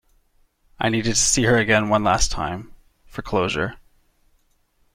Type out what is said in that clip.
I needed to see her again one last time, for closure.